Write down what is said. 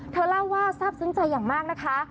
เธอเล่าว่าทราบซึ้งใจอย่างมากนะคะ